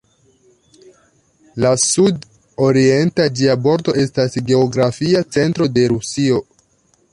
La sud-orienta ĝia bordo estas geografia centro de Rusio.